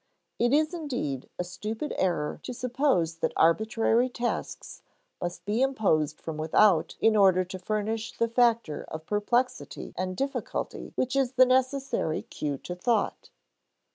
It is, indeed, a stupid error to suppose that arbitrary tasks must be imposed from without in order to furnish the factor of perplexity and difficulty which is the necessary cue to thought.